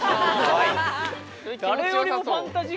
誰よりもファンタジック。